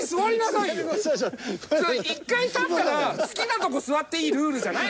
一回立ったら好きなとこ座っていいルールじゃないのよ。